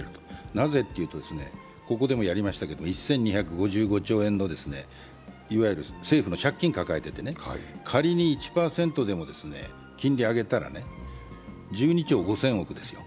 なぜっていうと、ここでもやりましたが１２５５兆円の政府の借金を抱えていて仮に１％でも金利を上げたら１２兆５０００億ですよ。